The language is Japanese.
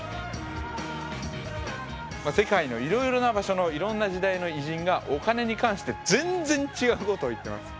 世界のいろいろな場所のいろんな時代の偉人がお金に関して全然違うことを言ってます。